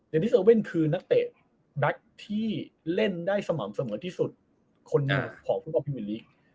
เดนิสเออวินคือนักเตะแบทที่เล่นได้สม่ำเสมอที่สุดคนของคุณพี่วิวิลลิก